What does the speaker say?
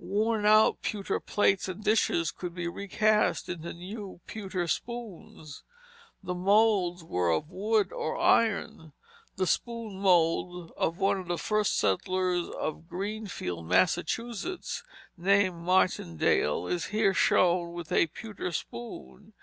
Worn out pewter plates and dishes could be recast into new pewter spoons. The moulds were of wood or iron. The spoon mould of one of the first settlers of Greenfield, Massachusetts, named Martindale, is here shown with a pewter spoon.